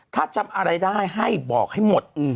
ถ้าจำอะไรได้ให้บอกให้หมด